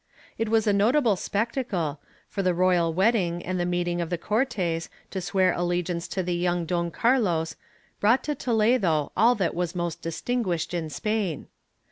It was a notable spectacle, for the royal wedding and the meeting of the Cortes to swear allegiance to the young Don Carlos brought to Toledo all that was most distinguished in Spain.